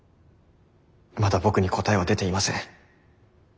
まだ僕に答えは出ていません。